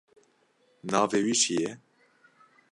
Navê wî çi ye?